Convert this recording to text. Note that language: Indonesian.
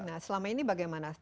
nah selama ini bagaimana